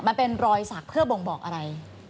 มันเป็นรอยสักเพื่อบ่งบอกอะไร